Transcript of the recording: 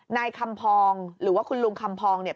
นายคำพองหรือว่าคุณลุงคำพองเนี่ย